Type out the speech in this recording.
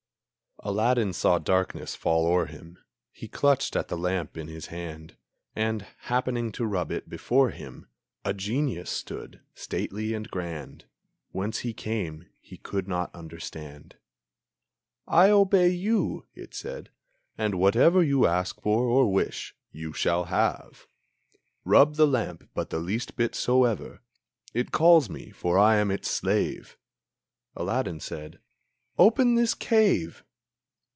Aladdin saw darkness fall o'er him; He clutched at the lamp in his hand, And, happening to rub it, before him A Genius stood, stately and grand. Whence he came he could not understand. "I obey you," it said, "and whatever You ask for, or wish, you shall have! Rub the lamp but the least bit soever, It calls me, for I am its slave!" Aladdin said, "Open this cave!"